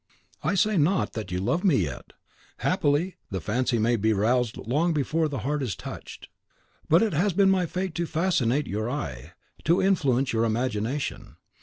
I say not that you love me yet; happily, the fancy may be roused long before the heart is touched. But it has been my fate to fascinate your eye, to influence your imagination.